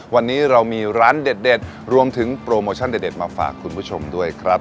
วันนี้เรามีร้านเด็ดรวมถึงโปรโมชั่นเด็ดมาฝากคุณผู้ชมด้วยครับ